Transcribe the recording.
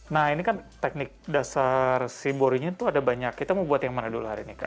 nah ini kan teknik dasar simborinya itu ada banyak kita mau buat yang mana dulu hari ini kak